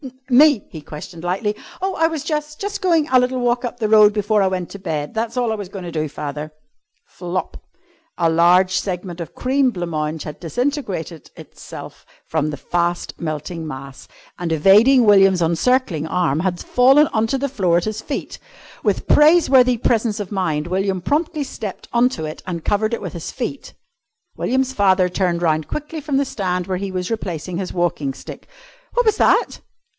"Me?" he questioned lightly. "Oh, I was jus' jus' goin' a little walk up the road before I went to bed. That's all I was goin' to do, father." Flop! A large segment of the cream blanc mange had disintegrated itself from the fast melting mass, and, evading William's encircling arm, had fallen on to the floor at his feet. With praiseworthy presence of mind William promptly stepped on to it and covered it with his feet. William's father turned round quickly from the stand where he was replacing his walking stick. "What was that?"